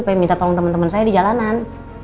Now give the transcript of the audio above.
pengen minta tolong temen temen saya di jalanan